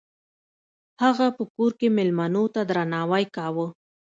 هغه په کور کې میلمنو ته درناوی کاوه.